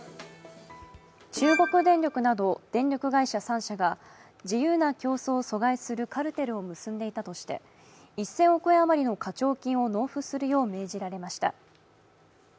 中国電力など電力会社３社が自由な競争を阻害するカルテルを結んでいたとして１０００億円余りの課徴金を納付するよう命じられました。